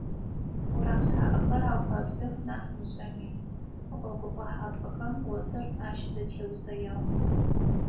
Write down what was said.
Урам шъхьаӀэхэр аукъэбзых нахь мышӀэми, гъогу къохьапӀэхэм осыр ащызэтеусэягъ.